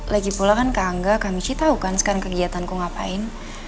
lagi pulang kan kak angga kak michi tau kan sekarang kegiatanku ngapain